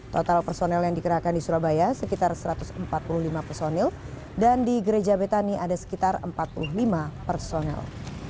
total personel yang dikerahkan di surabaya sekitar satu ratus empat puluh lima personil dan di gereja betani ada sekitar empat puluh lima personel